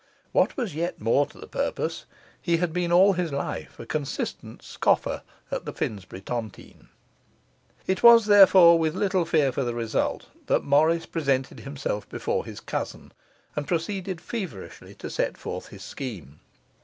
What was yet more to the purpose, he had been all his life a consistent scoffer at the Finsbury tontine. It was therefore with little fear for the result that Morris presented himself before his cousin, and proceeded feverishly to set forth his scheme.